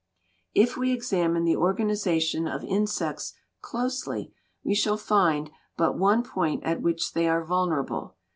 If we examine the organization of insects closely we shall find but one point at which they are vulnerable.